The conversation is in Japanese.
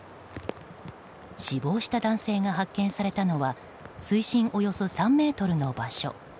死亡した男性が発見されたのは水深およそ３ｍの場所。